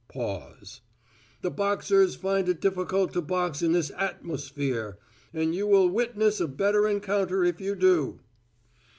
"The boxers find it difficult to box in this at mos phere, and you will wit ness a better encounter if you do."